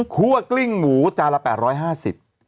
กลิ้งหมูจานละ๘๕๐บาท